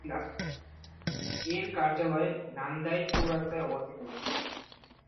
এর কার্যালয় নান্দাইল চৌরাস্তায় অবস্থিত।